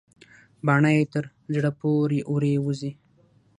باڼه يې تر زړه پورې اورې وزي.